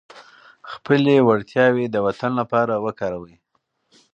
خپلې وړتیاوې د وطن لپاره وکاروئ.